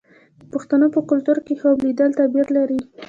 د پښتنو په کلتور کې خوب لیدل تعبیر لري.